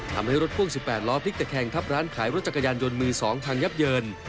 ทำให้รถพ่วง๑๘ล้อพลิกตะแคงทับร้านขายรถจักรยานยนต์มือ๒พังยับเยิน